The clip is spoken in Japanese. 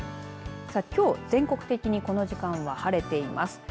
きょう、全国的にこの時間は晴れています。